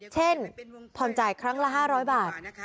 เช่นผ่อนจ่ายครั้งละ๕๐๐บาท